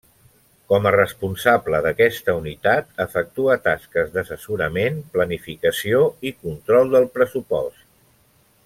Com a responsable d'aquesta Unitat efectua tasques d'assessorament, planificació i control del pressupost.